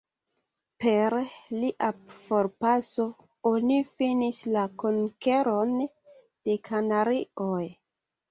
Per lia forpaso, oni finis la Konkeron de Kanarioj.